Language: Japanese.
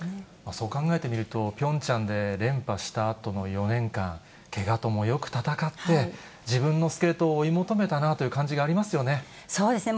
そう考えてみると、ピョンチャンで連覇したあとの４年間、けがともよく闘って、自分のスケートを追い求めたなという感じがそうですね。